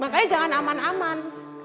makanya jangan aman aman